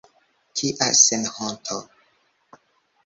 Kia senhonto!